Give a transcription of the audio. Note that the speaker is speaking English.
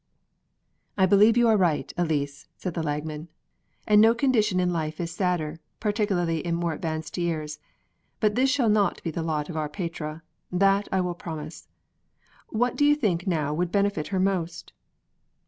"I believe you are right, Elise," said the Lagman, "and no condition in life is sadder, particularly in more advanced years. But this shall not be the lot of our Petrea that I will promise. What do you think now would benefit her most?"